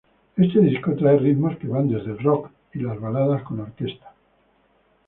Este Disco trae ritmos que van desde el Rock y las baladas con orquesta.